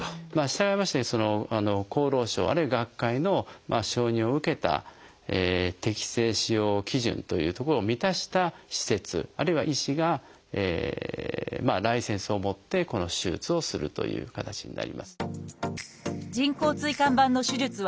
したがいまして厚労省あるいは学会の承認を受けた適正使用基準というところを満たした施設あるいは医師がライセンスを持ってこの手術をするという形になります。